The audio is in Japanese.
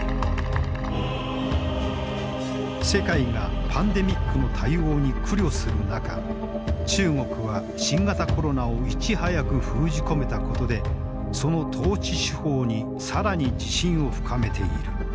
世界がパンデミックの対応に苦慮する中中国は新型コロナをいち早く封じ込めたことでその統治手法に更に自信を深めている。